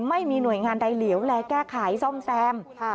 ไม่มีหน่วยงานใดเหลียวแลแก้ไขซ่อมแซม